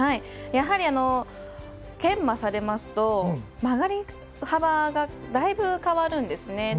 やはり、研磨されますと曲がり幅がだいぶ変わるんですね。